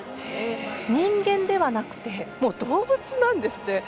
人間ではなくて動物なんですね。